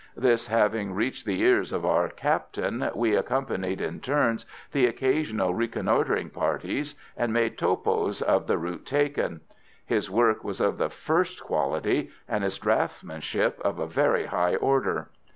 This having reached the ears of our Captain, we accompanied in turns the occasional reconnoitring parties, and made topos of the route taken. His work was of the first quality, and his draughtsmanship of a very high order.